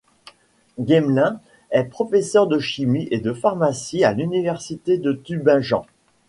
Gmelin est professeur de chimie et de pharmacie à l'université de Tübingen.